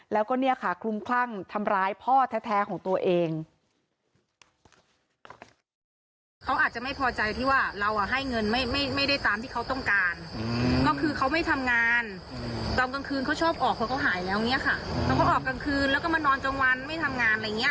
แล้วก็คลุมคลั่งทำร้ายพ่อแท้ของตัวเอง